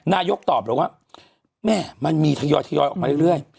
นายกตอบเลยว่าแม่มันมีทยอยออกมาเรื่อย